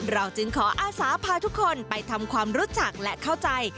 เราจึงขออาสาพาทุกคนไปทำความรู้จักและเข้าใจ